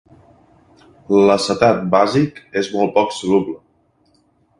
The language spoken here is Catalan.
L'acetat bàsic és molt poc soluble.